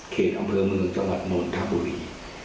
เขตอำเภอเมืองจังหวัดนวลทัพบุรี